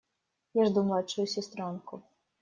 Я жду младшую сестренку.